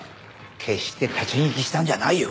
決して立ち聞きしたんじゃないよ。